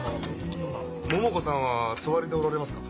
桃子さんはつわりでおられますか？